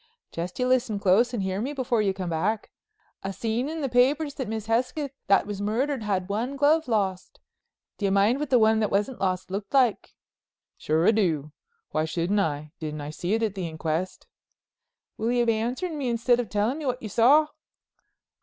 "Jest you listen close and hear me before you come back. I seen in the papers that Miss Hesketh that was murdered had one glove lost. Do you mind what the one that wasn't lost looked like?" "Sure I do—why shouldn't I? Didn't I see it at the inquest?" "Will you be answering me instead of tellin' me what you saw?"